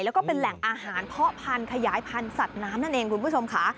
แล้วก็เป็นแหล่งอาหารเพาะพันธุ์ขยายพันธุ์สัตว์น้ำนั่นเองคุณผู้ชมค่ะ